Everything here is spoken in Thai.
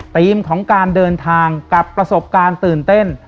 ของการเดินทางกับประสบการณ์ตื่นเต้น